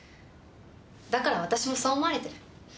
だから私もそう思われてる。